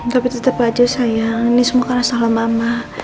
tapi tetap aja sayang ini semua karena salah mama